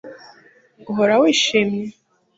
Uhora wishimye